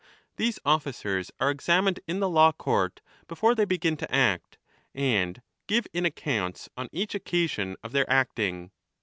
These officers are examined in the law court before they begin to act, and give in accounts on each occasion of their acting.